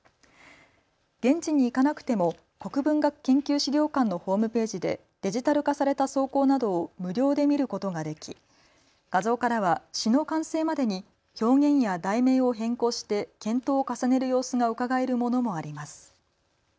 現地に行かなくても国文学研究資料館のホームページでデジタル化された草稿などを無料で見ることができ画像からは詩の完成までに表現や題名を変更して検討を重ねる様子がうかがえるものもあります。